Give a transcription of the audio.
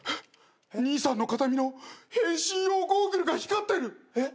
兄さんの形見の変身用ゴーグルが光ってる。